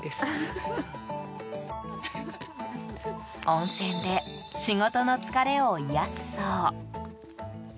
温泉で仕事の疲れを癒やすそう。